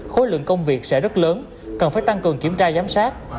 khối lượng công việc sẽ rất lớn cần phải tăng cường kiểm tra giám sát